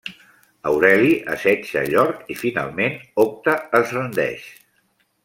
Aureli assetja York i finalment Octa es rendeix.